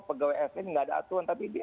pegawai sn nggak ada aturan tapi